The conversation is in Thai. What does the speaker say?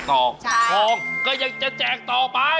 ทองก็ยังจะแจกต่อไป